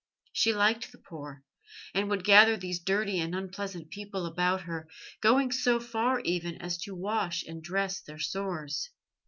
She liked the poor, and would gather these dirty and unpleasant people about her, going so far even as to wash and dress their sores.